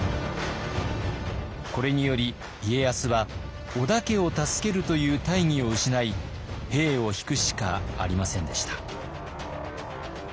これにより家康は織田家を助けるという大義を失い兵を引くしかありませんでした。